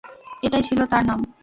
এটাই ছিল তার নাম।